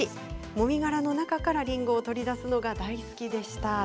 もみ殻の中からりんごを取り出すのが大好きでした。